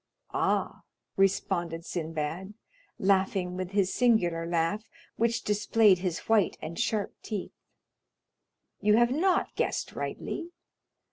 "Ah!" responded Sinbad, laughing with his singular laugh, which displayed his white and sharp teeth. "You have not guessed rightly.